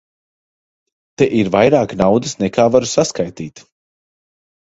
Te ir vairāk naudas, nekā varu saskaitīt.